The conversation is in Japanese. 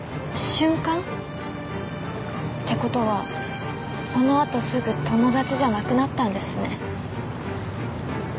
瞬間？って事はそのあとすぐ友達じゃなくなったんですね。